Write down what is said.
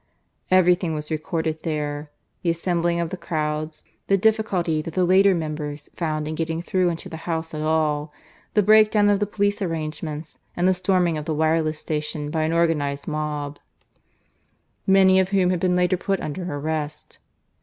Everything was recorded there the assembling of the crowds, the difficulty that the later members found in getting through into the House at all; the breakdown of the police arrangements; and the storming of the wireless station by an organized mob, many of whom had been later put under arrest.